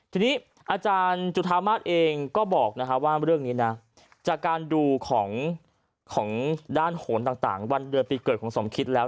ทีนี้อาจารย์จุธามาศเองก็บอกว่าเรื่องนี้นะจากการดูของด้านโหนต่างวันเดือนปีเกิดของสมคิดแล้ว